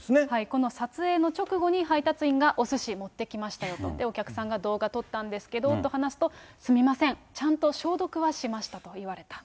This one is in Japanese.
この撮影の直後に、配達員がおすし持ってきましたよと、で、お客さんが動画撮ったんですけど、話すと、すみません、ちゃんと消毒はしましたと言われた。